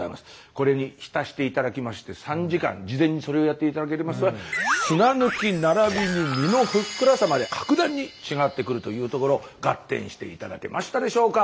これに浸して頂きまして３時間事前にそれをやって頂けますと砂抜きならびに身のふっくらさまで格段に違ってくるというところガッテンして頂けましたでしょうか？